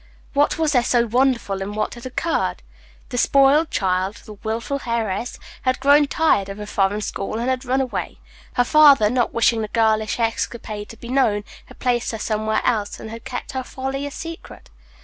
What was there so wonderful in that which had occurred? The spoiled child, the wilful heiress, had grown tired of a foreign school, and had run away. Her father, not wishing the girlish escapade to be known, had placed her somewhere else, and had kept her folly a secret.